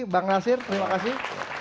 bang nasir terima kasih